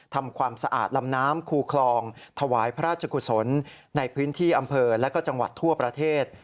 ทำความสะอาดลำน้ำคูคลองถวายพระราชกุศลในพื้นที่อำเภอและก็จังหวัดทั่วประเทศ